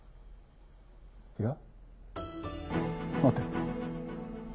いや待て。